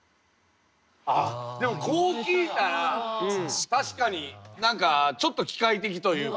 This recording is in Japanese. あっでもこう聞いたら確かに何かちょっと機械的というか。